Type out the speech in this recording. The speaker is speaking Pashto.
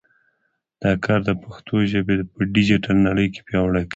دا کار د پښتو ژبه په ډیجیټل نړۍ کې پیاوړې کوي.